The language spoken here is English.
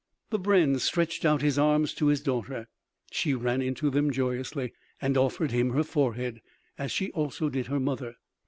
The brenn stretched out his arms to his daughter. She ran into them joyously and offered him her forehead, as she also did her mother.